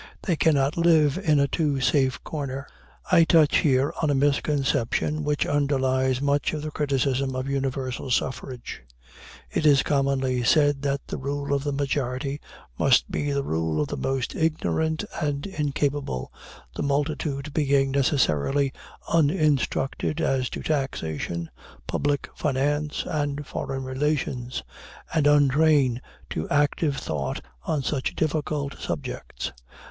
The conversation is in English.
They cannot live in a too safe corner. I touch here on a misconception which underlies much of the criticism of universal suffrage. It is commonly said that the rule of the majority must be the rule of the most ignorant and incapable, the multitude being necessarily uninstructed as to taxation, public finance, and foreign relations, and untrained to active thought on such difficult subjects.